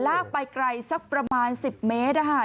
ลากไปไกลสักประมาณ๑๐เมตร